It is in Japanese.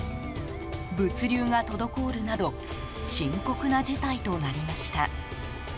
物流が滞るなど深刻な事態となりました。